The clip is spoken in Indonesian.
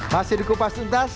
masih di kopas tuntas